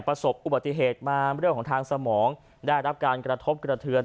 ประสบอุบัติเหตุมาเรื่องของทางสมองได้รับการกระทบกระเทือน